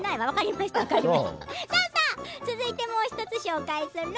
続いてもう１つ紹介する。